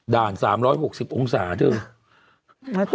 ด่าน๓๖๐องศาเถอะ